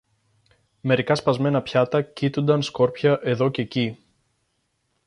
μερικά σπασμένα πιάτα κείτουνταν σκόρπια εδώ κι εκεί